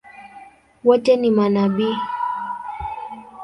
Wote ni manabii?